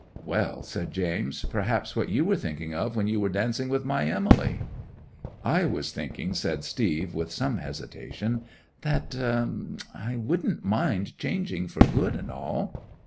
'"Well," said James, "perhaps what you were thinking of when you were dancing with my Emily." '"I was thinking," said Steve, with some hesitation, "that I wouldn't mind changing for good and all!"